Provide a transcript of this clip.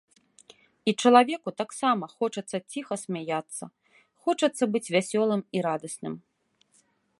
І чалавеку таксама хочацца ціха смяяцца, хочацца быць вясёлым і радасным.